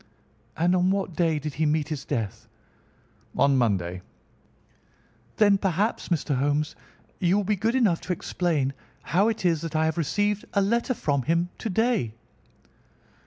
"And on what day did he meet his death?" "On Monday." "Then perhaps, Mr. Holmes, you will be good enough to explain how it is that I have received a letter from him to day."